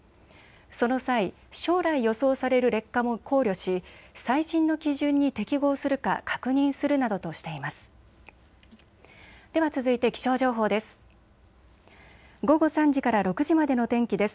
その際、将来、予想される劣化も考慮し最新の基準に適合するか確認するなどとしています。